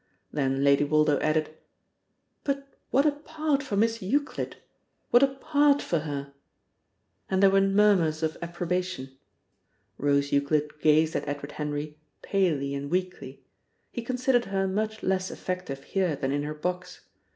Then Lady Woldo added: "But what a part for Miss Euclid! What a part for her!" And there were murmurs of approbation. Rose Euclid gazed at Edward Henry palely and weakly. He considered her much less effective here than in her box.